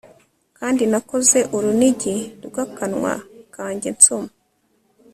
Kandi nakoze urunigi rwakanwa kanjye nsoma